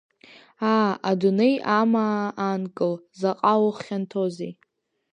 Аа, адунеи амаа аанкыл, заҟа ухьанҭозеи!